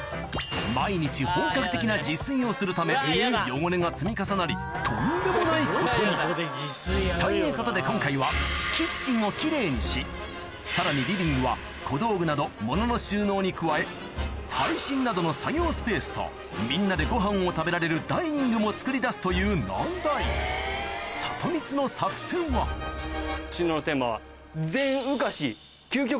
毎日本格的な自炊をするため汚れが積み重なりとんでもないことにということで今回はキッチンを奇麗にしさらにリビングは小道具など物の収納に加え配信などの作業スペースとみんなでごはんを食べられるダイニングもつくり出すという難題収納のテーマは。